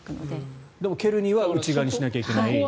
でも蹴るには内側にしなきゃいけない。